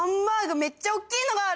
めっちゃ大っきいのがある！